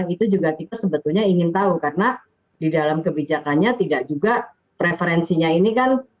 itu juga kita sebetulnya ingin tahu karena di dalam kebijakannya tidak juga preferensinya ini kan